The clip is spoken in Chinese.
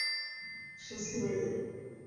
后由杨时行接任。